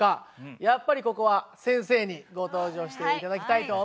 やっぱりここは先生にご登場して頂きたいと思います。